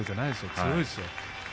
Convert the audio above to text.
強いですよ。